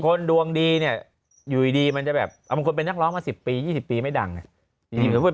คนดวงดีเนี่ยอยู่ดีมันจะแบบเอาบางคนเป็นนักร้องมาสิบปียี่สิบปีไม่ดังเนี่ย